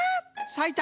さいた！